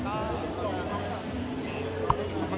ขอบคุณครับ